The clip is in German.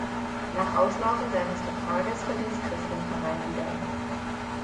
Nach Auslaufen seines Vertrages verließ Chris den Verein wieder.